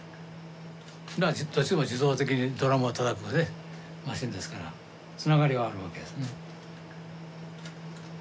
だからどっちも自動的にドラムをたたくマシンですからつながりはあるわけですね。